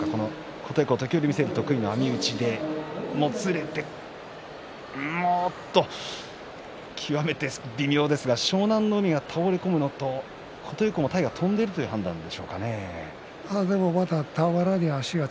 琴恵光、時折見せる得意の網打ちでもつれて極めて微妙ですが湘南乃海が倒れ込むのと琴恵光の体が飛んでいるという判断でしょうかね。